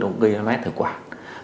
nó cũng gây loét thực quản